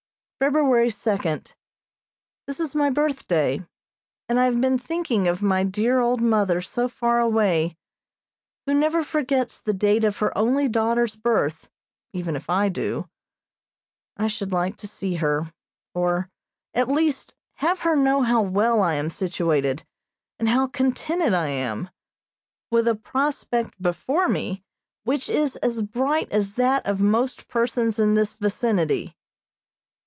February second: This is my birthday, and I have been thinking of my dear old mother so far away, who never forgets the date of her only daughter's birth, even if I do. I should like to see her, or, at least, have her know how well I am situated, and how contented I am, with a prospect before me which is as bright as that of most persons in this vicinity.